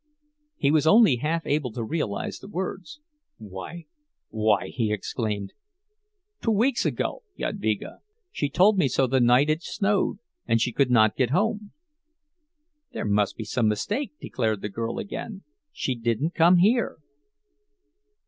He was only half able to realize the words. "Why—why—" he exclaimed. "Two weeks ago. Jadvyga! She told me so the night it snowed, and she could not get home." "There must be some mistake," declared the girl, again; "she didn't come here."